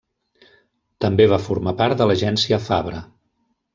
També va formar part de l'Agència Fabra.